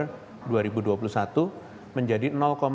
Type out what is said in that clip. naik menjadi sembilan puluh delapan